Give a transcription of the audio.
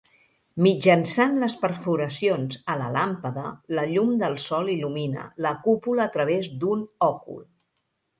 Mitjançant les perforacions a la làmpada, la llum del sol il·lumina la cúpula a través d'un òcul.